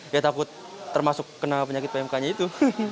dia takut termasuk kena penyakit pmk nya itu